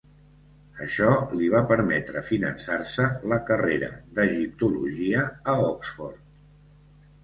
Això li va permetre finançar-se la carrera d'egiptologia a Oxford.